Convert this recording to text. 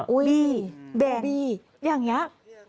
อุ๊ยแบงค์อย่างนี้